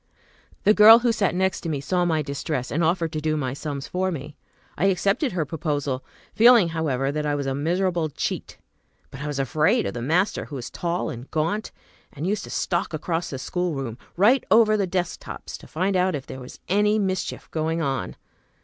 The girl who sat next to me saw my distress, and offered to do my sums for me. I accepted her proposal, feeling, however, that I was a miserable cheat. But I was afraid of the master, who was tall and gaunt, and used to stalk across the schoolroom, right over the desk tops, to find out if there was any mischief going on.